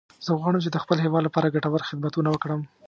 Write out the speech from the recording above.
زه غواړم چې د خپل هیواد لپاره ګټور خدمتونه وکړم